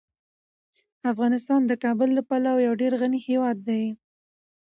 افغانستان د کابل له پلوه یو ډیر غني هیواد دی.